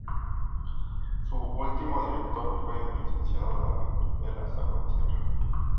Su último director fue el licenciado David Vela Salvatierra.